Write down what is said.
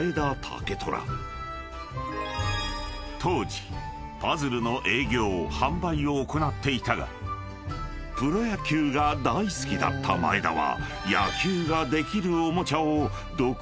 ［当時パズルの営業・販売を行っていたがプロ野球が大好きだった前田は］